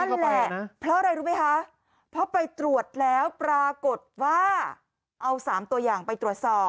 นั่นแหละเพราะอะไรรู้ไหมคะเพราะไปตรวจแล้วปรากฏว่าเอา๓ตัวอย่างไปตรวจสอบ